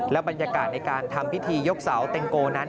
บรรยากาศในการทำพิธียกเสาเต็งโกนั้น